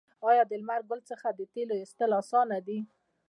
آیا د لمر ګل څخه د تیلو ایستل اسانه دي؟